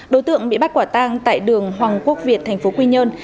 đối tượng bị bắt quả tăng tại đường hoàng quốc việt tp quy nhơn